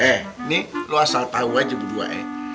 eh nih lo asal tau aja berdua eh